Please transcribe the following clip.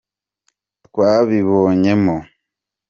twabibonyemo.